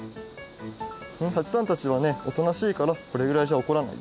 このはちさんたちはねおとなしいからこれぐらいじゃおこらないよ。